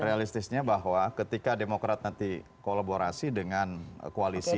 realistisnya bahwa ketika demokrat nanti kolaborasi dengan koalisi